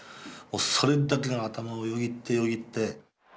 それだけが頭をよぎってよぎって。